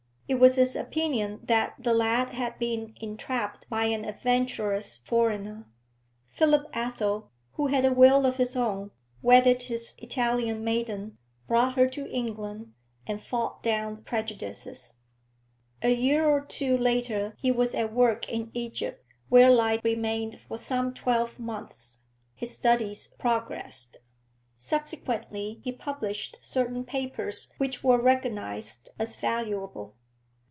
It was his opinion that the lad had been entrapped by an adventurous foreigner. Philip Athel, who had a will of his own, wedded his Italian maiden, brought her to England, and fought down prejudices. A year or two later he was at work in Egypt, where lie remained for some twelve months; his studies progressed. Subsequently he published certain papers which were recognised as valuable.